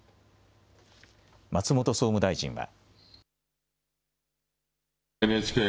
松本総務大臣は。